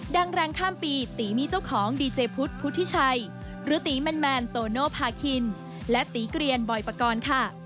แรงข้ามปีตีมีเจ้าของดีเจพุทธพุทธิชัยหรือตีแมนโตโนภาคินและตีเกลียนบอยปกรณ์ค่ะ